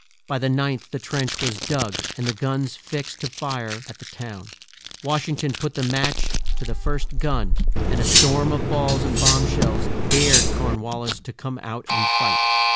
By the ninth the trench was dug and the guns fixed to fire at the town. Wash ing ton put the match to the first gun, and a storm of balls and bomb shells dared Corn wal lis to come out and fight.